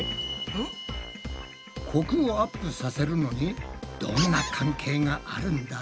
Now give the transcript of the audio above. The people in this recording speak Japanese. コクをアップさせるのにどんな関係があるんだ？